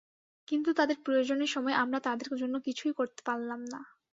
কিন্তু তাঁদের প্রয়োজনের সময় আমরা তাঁদের জন্য কিছুই করতে পারলাম না।